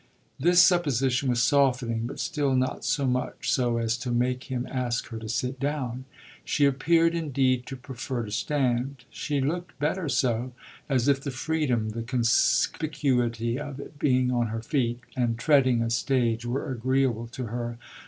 This supposition was softening, but still not so much so as to make him ask her to sit down. She appeared indeed to prefer to stand: she looked better so, as if the freedom, the conspicuity of being on her feet and treading a stage were agreeable to her.